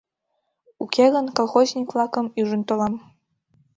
Уке гын, колхозник-влакым ӱжын толам.